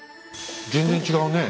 全然違うね。